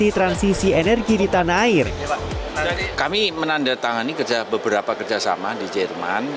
transisi energi di tanah air